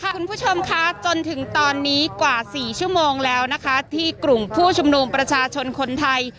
คุณผู้ชมคะจนถึงตอนนี้กว่า๔ชั่วโมงแล้วนะคะที่กลุ่มผู้ชุมนุมประชาชนคนไทย